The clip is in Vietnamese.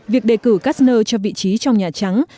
việc đề cử karsner cho vị trí trong nhà trắng